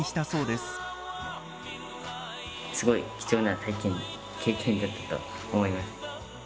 すごい貴重な体験経験だったと思います。